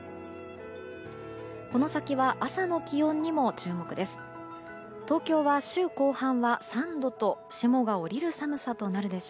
この先は朝の気温にも注目です。